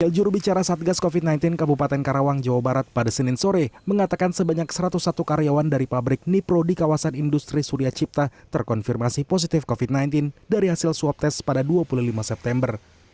jurubicara satgas covid sembilan belas kabupaten karawang jawa barat pada senin sore mengatakan sebanyak satu ratus satu karyawan dari pabrik nipro di kawasan industri surya cipta terkonfirmasi positif covid sembilan belas dari hasil swab test pada dua puluh lima september